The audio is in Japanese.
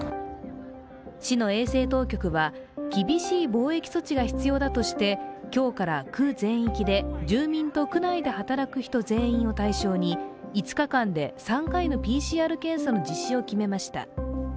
市の衛生当局は、厳しい防疫措置が必要だとして今日から区全域で住民と区内で働く人全員を対象に５日間で３回のＰＣＲ検査の実施を決めました。